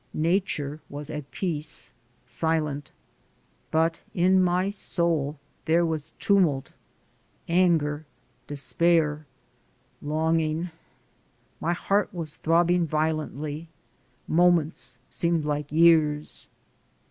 Nature was at peace, silent. But in my soul there was tumult, anger, despair, longing. My heart was throbbing violently. Moments seemed like years.